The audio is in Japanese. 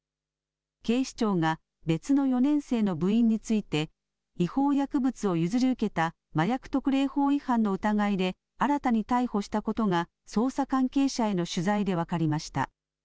警視庁が別の４年生の部員について違法薬物を譲り受けた麻薬特例法違反の疑いで新たに逮捕したことが捜査関係者への取材で分かりました。